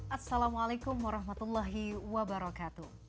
assalamualaikum warahmatullahi wabarakatuh